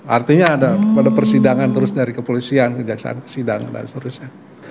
artinya ada pada persidangan terus dari kepolisian kejaksaan kesidangan dan seterusnya